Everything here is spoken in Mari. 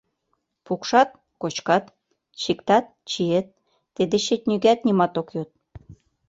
Пукшат — кочкат, чиктат — чиет, тый дечет нигӧат нимат ок йод.